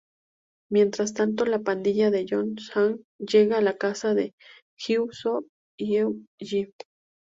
Mientras tanto, la pandilla de Joong-sang llega a la casa de Hyun-soo y Eun-hye.